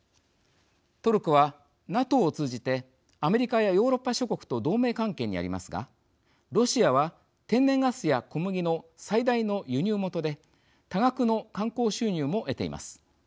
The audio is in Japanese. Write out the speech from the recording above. トルコはＮＡＴＯを通じてアメリカやヨーロッパ諸国と同盟関係にありますがロシアは天然ガスや小麦の最大の輸入元で多額の観光収入も得ています。